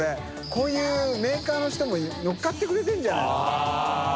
海Δいメーカーの人ものっかってくれてるんじゃない？